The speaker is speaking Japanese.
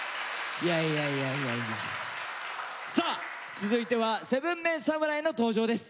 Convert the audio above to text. さあ続いては７ＭＥＮ侍の登場です。